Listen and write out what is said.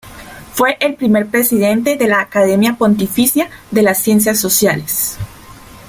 Fue el primer presidente de la Academia Pontificia de las Ciencias Sociales.